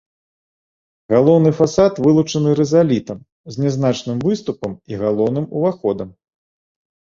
Галоўны фасад вылучаны рызалітам з нязначным выступам і галаўным уваходам.